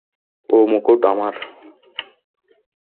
ও মুকুট আমার!